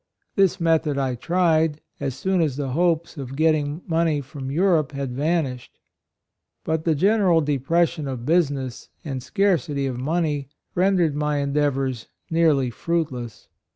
This method I tried, as soon as the hopes of getting money from Eu rope had vanished. But the gene ral depression of business and. scarcity of money rendered my en deavors nearly fruitless.